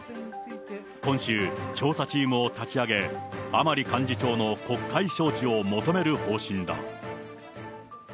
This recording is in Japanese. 今週、調査チームを立ち上げ、甘利幹事長の国会招致を求める方針だ。